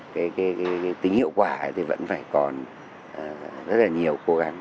cái tính hiệu quả thì vẫn phải còn rất là nhiều